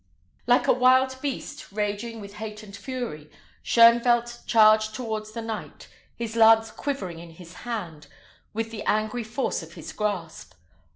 Like a wild beast, raging with hate and fury, Shoenvelt charged towards the knight, his lance quivering in his hand with the angry force of his grasp.